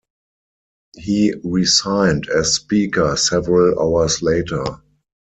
He resigned as Speaker several hours later.